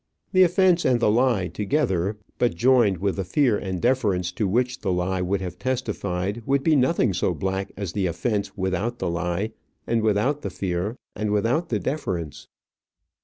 The offence and the lie together, but joined with the fear and deference to which the lie would have testified, would be nothing so black as the offence without the lie, and without the fear, and without the deference.